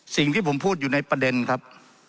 สิ่งที่ผมพูดอยู่ในประเด็นครับ